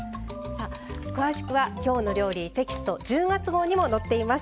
詳しくは「きょうの料理」テキスト１０月号にも載っています。